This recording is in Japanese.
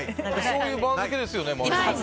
そういう番付ですよね？